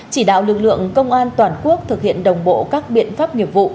chỉ đạo lực lượng công an toàn quốc thực hiện đồng bộ các biện pháp nghiệp vụ